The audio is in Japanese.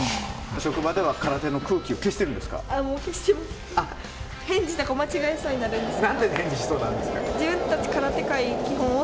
職場では、空手の空気を消してるんですか？